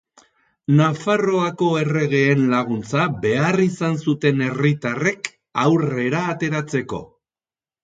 Nafarroako erregeen laguntza behar izan zuten herritarrek aurrera ateratzeko.